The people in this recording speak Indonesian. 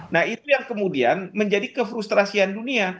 nah itu yang kemudian menjadi kefrusrasian dunia